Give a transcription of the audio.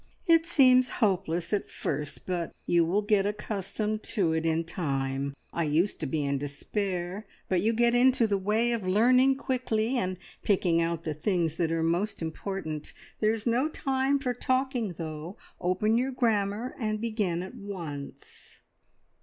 "It seems hopeless at first, but you will get accustomed to it in time. I used to be in despair, but you get into the way of learning quickly, and picking out the things that are most important. There's no time for talking, though. Open your grammar and begin at once."